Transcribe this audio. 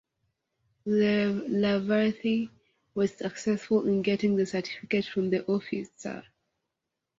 Leelavathi was successful in getting the certificate from the officer.